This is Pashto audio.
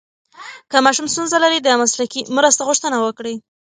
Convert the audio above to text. که ماشوم ستونزه لري، د مسلکي مرسته غوښتنه وکړئ.